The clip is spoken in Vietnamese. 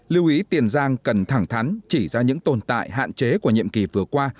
lưu ý tiền giang cần thẳng thắn chỉ ra những tồn tại hạn chế của nhiệm kỳ vừa qua